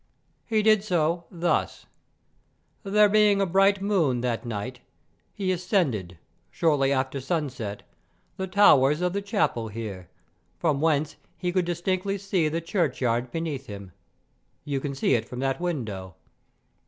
He did so thus: There being a bright moon that night, he ascended, shortly after sunset, the towers of the chapel here, from whence he could distinctly see the churchyard beneath him; you can see it from that window.